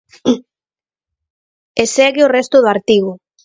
E segue o resto do artigo.